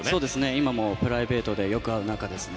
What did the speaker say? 今もプライベートでよく会う仲ですね。